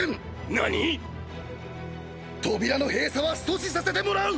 何⁉扉の閉鎖は阻止させてもらう！